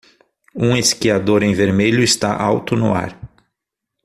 Um esquiador em vermelho está alto no ar.